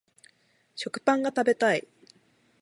食パンが食べたい